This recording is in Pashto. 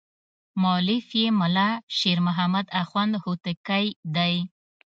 مؤلف یې ملا شیر محمد اخوند هوتکی دی.